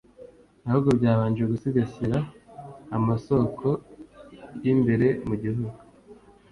ahubwo byabanje gusigasira amasoko y’imbere mu gihugu